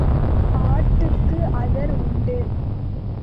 ஆட்டுக்கு அதர் உண்டு.